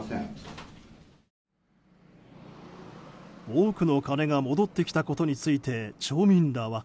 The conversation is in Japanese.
多くの金が戻ってきたことについて町民らは。